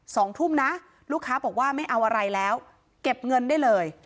สองทุ่มนะลูกค้าบอกว่าไม่เอาอะไรแล้วเก็บเงินได้เลย